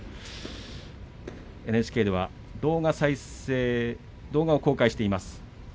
ＮＨＫでは動画を公開しています。